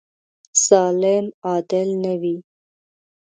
ظالم عادل نه وي.